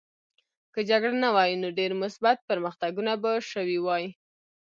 که جګړه نه وای نو ډېر مثبت پرمختګونه به شوي وای